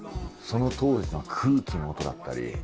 その当時の空気の音だったり。